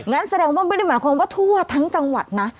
งั้นแสดงว่าไม่ได้หมายความว่าทั่วทั้งจังหวัดนะ